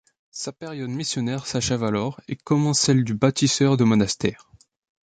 Sa période missionnaire s'achève alors et commence celle du bâtisseur de monastères.